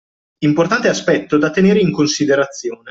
Importante aspetto da tenere in considerazione